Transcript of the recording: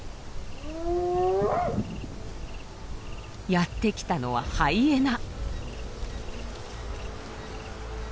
やって来たのはハイエナ。